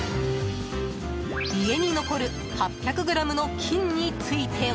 家に残る８００ｇの金については。